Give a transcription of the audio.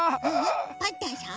パンタンさん？